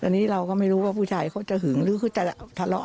อันนี้เราก็ไม่รู้ว่าผู้ชายเขาจะหึงหรือเขาจะทะเลาะ